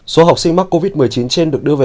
số học sinh mắc covid một mươi chín trên được đưa về